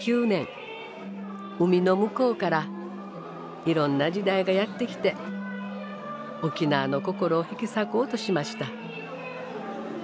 海の向こうからいろんな時代がやって来て沖縄の心を引き裂こうとしました。